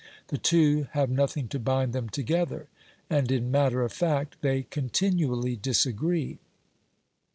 The two have nothing to bind them together, and in matter of fact, they continually disagree.